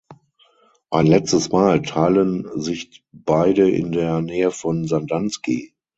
Ein letztes Mal teilen sich beide in der Nähe von Sandanski.